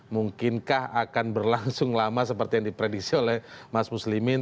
mungkinkah akan berlangsung lama seperti yang diprediksi oleh mas muslimin